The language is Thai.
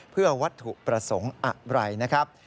เพื่อวัตถุประสงค์อะไรนะครับ